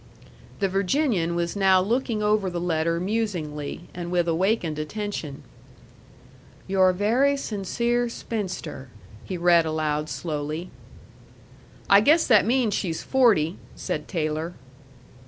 The Virginian was now looking over the letter musingly, and with awakened attention. "'Your very sincere spinster,'" he read aloud slowly. "I guess that means she's forty," said Taylor.